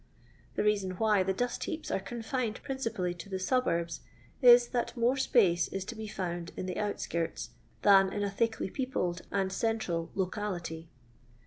The reason why the dust heaps are confined principally to the suburbs is, that more space is to be found in the fiut skirU than in a thickly peopled and central lowility.